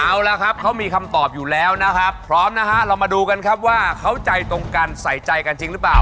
เอาละครับเขามีคำตอบอยู่แล้วนะครับพร้อมนะฮะเรามาดูกันครับว่าเขาใจตรงกันใส่ใจกันจริงหรือเปล่า